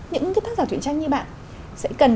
những thác giả chuyện tranh như bạn sẽ cần